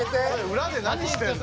うらで何してんの？